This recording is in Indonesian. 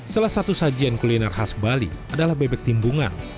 salah satu sajian kuliner khas bali adalah bebek timbungan